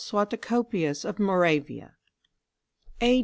SUATOCOPIUS OF MORAVIA. A.